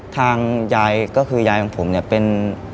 ทางยายก็คือยายของผมเนี่ยเป็น